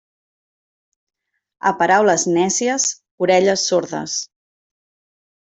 A paraules nècies, orelles sordes.